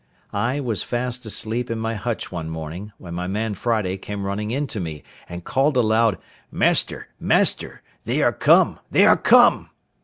I was fast asleep in my hutch one morning, when my man Friday came running in to me, and called aloud, "Master, master, they are come, they are come!"